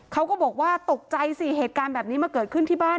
เขาก็บอกว่าตกใจสิเหตุการณ์แบบนี้มาเกิดขึ้นที่บ้าน